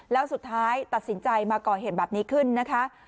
แล้วสุดท้ายตัดสินใจมาก่อเหตุแบบนี้ขึ้นนะคะ